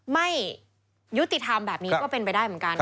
ไม่ยุติธรรมแบบนี้ก็เป็นไปได้เหมือนกัน